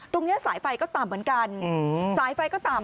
ตรงนี้สายไฟก็ต่ำเหมือนกันสายไฟก็ต่ำ